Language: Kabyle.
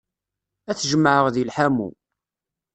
Ad t-jemɛeɣ deg lḥamu.